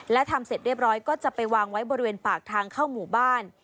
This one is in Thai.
และทำเสร็จเรียบร้อยก็จะไปวางไว้บริเวณปากทางเข้าหมู่บ้าน